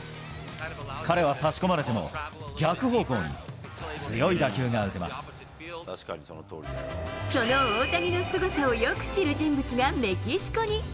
彼は差し込まれても、その大谷のすごさをよく知る人物がメキシコに。